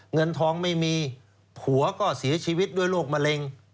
เงินทองไม่มีผัวก็เสียชีวิตด้วยโรคมะเร็ง